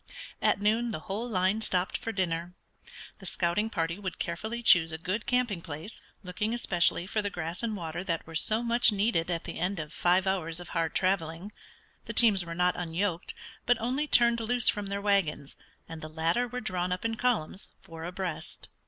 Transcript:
At noon the whole line stopped for dinner. The scouting party would carefully choose a good camping place, looking especially for the grass and water that were so much needed at the end of five hours of hard traveling. The teams were not unyoked, but only turned loose from their wagons, and the latter were drawn up in columns, four abreast.